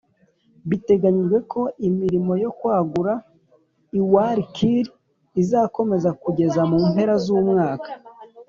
Biteganyijwe ko imirimo yo kwagura i Wallkill izakomeza kugeza mu mpera z umwaka